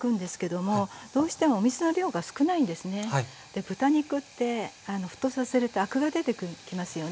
で豚肉って沸騰させるとアクが出てきますよね。